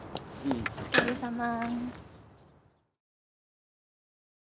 お疲れさま。